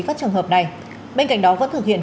các trường hợp này bên cạnh đó vẫn thực hiện